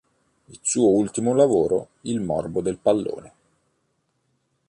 Il suo ultimo lavoro, "Il Morbo del Pallone.